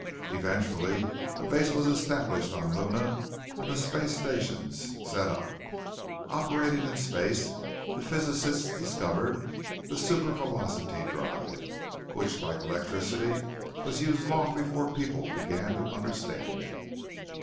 Eventually a base was established on Luna and the space stations set up. Operating in space, the physicists discovered the supervelocity drive, which like electricity, was used long before people began to understand it.